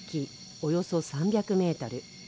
およそ３００メートル